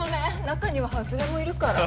中には外れもいるから。